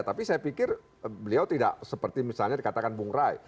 tapi saya pikir beliau tidak seperti misalnya dikatakan bung rai